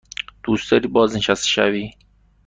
دوست داری بازنشسته شوی؟